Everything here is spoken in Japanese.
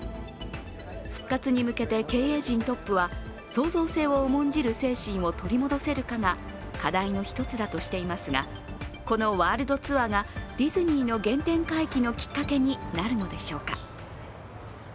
復活に向けて経営陣トップは創造性を重んじる精神を取り戻せるかが課題の一つだとしていますがこのワールドツアーがディズニーの原点回帰のきっかけになるのでしょうか。